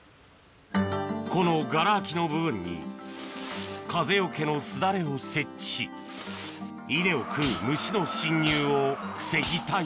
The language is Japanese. このがら空きの部分に風よけの簾を設置し稲を食う虫の侵入を防ぎたい